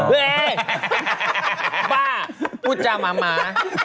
เฮ้ยบ้าพูดจะมามา